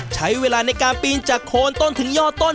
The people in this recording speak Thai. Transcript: ใช้เวลาในการปีนจากโคนต้นถึงย่อต้น